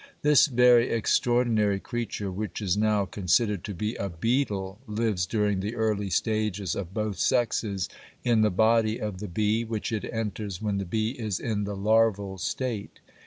This very extraordinary creature, which is now considered to be a beetle, lives during the early stages of both sexes in the body of the bee, which it enters when the bee is in the larval state.